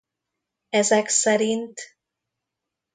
Ezek szerint